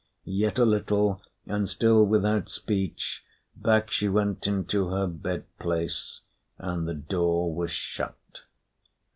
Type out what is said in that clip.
Yet a little, and still without speech, back she went into her bad place, and the door was shut.